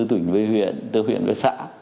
từ huyện từ huyện về xã